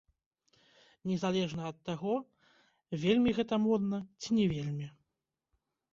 Незалежна ад таго, вельмі гэта модна ці не вельмі.